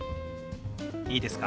いいですか？